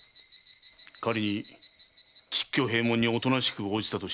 仮に蟄居閉門におとなしく応じたとしよう。